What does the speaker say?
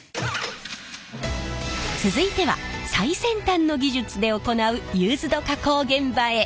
続いては最先端の技術で行うユーズド加工現場へ。